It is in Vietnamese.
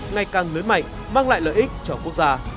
ngày càng lớn mạnh mang lại lợi ích cho quốc gia